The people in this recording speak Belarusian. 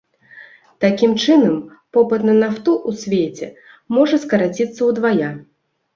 Такім чынам, попыт на нафту ў свеце можа скараціцца ўдвая.